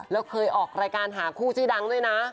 แล้วเคยออกรายการหาคู่ชื่อดังด้วยนะ